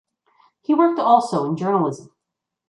He worked also in Journalism.